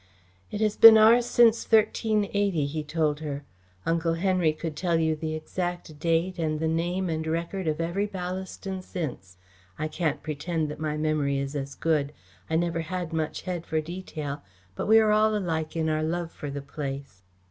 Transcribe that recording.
"It has been ours since 1380," he told her. "Uncle Henry could tell you the exact date and the name and record of every Ballaston since. I can't pretend that my memory is as good. I never had much head for detail, but we are all alike in our love for the place."